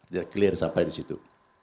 dia clear sampai di situ